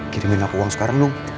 kirimin aku uang sekarang dong